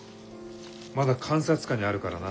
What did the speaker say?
まだ観察下にあるからな。